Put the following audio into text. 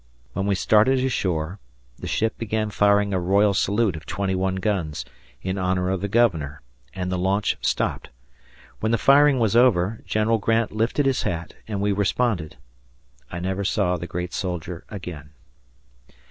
When we started ashore, the ship began firing a royal salute of twenty one guns, in honor of the governor, and the launch stopped. When the firing was over, General Grant lifted his hat, and we responded. I never saw the great soldier again.